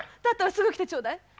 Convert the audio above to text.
だったらすぐ来てちょうだい。